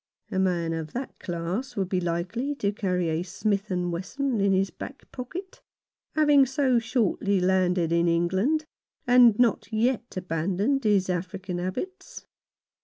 A man of that class would be likely to carry a Smith Wesson in his back pocket — having so shortly landed in England, and not yet abandoned his African habits.